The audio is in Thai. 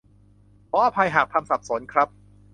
ขออภัยหากทำสับสนครับ